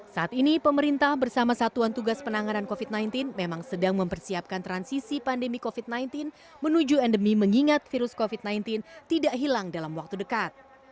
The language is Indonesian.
saat ini pemerintah bersama satuan tugas penanganan covid sembilan belas memang sedang mempersiapkan transisi pandemi covid sembilan belas menuju endemi mengingat virus covid sembilan belas tidak hilang dalam waktu dekat